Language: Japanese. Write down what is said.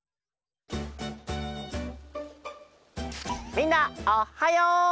みんなおはよう！